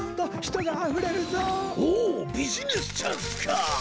ビジネスチャンスか！